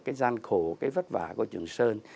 cái gian khổ cái vất vả của trường sơn